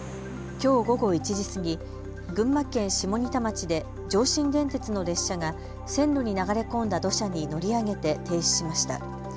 きょう午後１時過ぎ、群馬県下仁田町で上信電鉄の列車が線路に流れ込んだ土砂に乗り上げて停止しました。